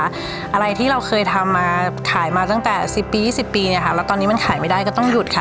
อะไรที่เราเคยทำมาขายมาตั้งแต่๑๐ปี๒๐ปีเนี่ยค่ะแล้วตอนนี้มันขายไม่ได้ก็ต้องหยุดค่ะ